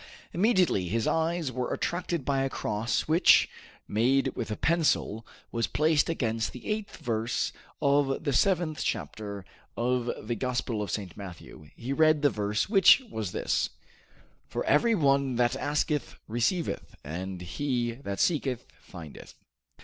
Immediately his eyes were attracted by a cross which, made with a pencil, was placed against the eighth verse of the seventh chapter of the Gospel of St. Matthew. He read the verse, which was this: "For every one that asketh receiveth; and he that seeketh findeth."